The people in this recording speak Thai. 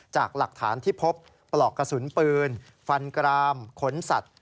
จากหลักฐานที่พบปลอกกระสุนปืนฟันกรามขนสัตว์